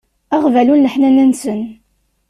Aɣbalu n leḥnana-nsen.